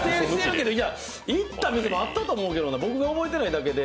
行った店もあったと思うけどな、僕が覚えていないだけで。